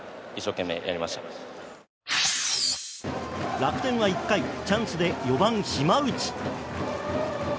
楽天は１回チャンスで４番、島内。